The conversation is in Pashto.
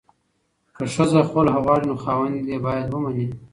که ښځه خلع غواړي، خاوند باید ومني.